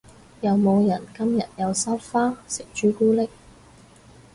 有冇人今日有收花食朱古力？